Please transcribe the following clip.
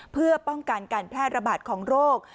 เพื่อป้องกันการแพร่ระบาดของโรค